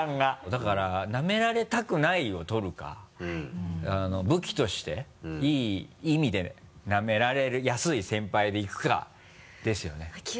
だからなめられたくないを取るか武器としていい意味でなめられやすい先輩でいくかですよね。